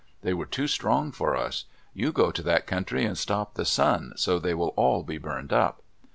They were too strong for us. You go to that country and stop the sun so they will all be burned up."